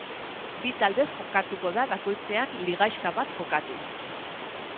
Bi taldez jokatuko da bakoitzean ligaxka bat jokatuz.